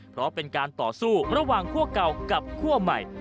เพราะเป็นการต่อสู้ระหว่างคั่วเก่ากับคั่วใหม่